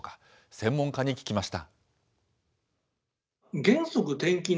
専門家に聞きました。